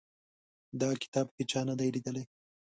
دا کتاب هیچا نه دی لیدلی.